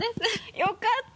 よかった。